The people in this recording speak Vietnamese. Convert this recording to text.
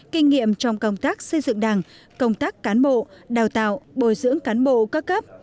kinh nghiệm trong công tác xây dựng đảng công tác cán bộ đào tạo bồi dưỡng cán bộ các cấp